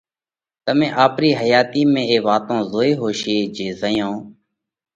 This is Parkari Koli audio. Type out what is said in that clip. تمي آپرِي حياتِي ۾ اي وات زوئي ھوشي جي زئيون